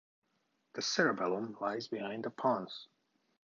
The cerebellum lies behind the pons.